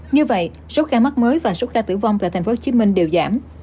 như vậy số ca mắc mới và số ca tử vong tại tp hcm đều giảm